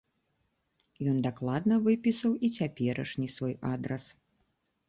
Ён дакладна выпісаў і цяперашні свой адрас.